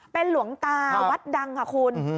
เป็นหลวงตาวัดดังค่ะคุณ